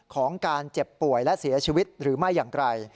ของการเจ็บป่วยและเสียชีวิตหรือไม่อย่างไร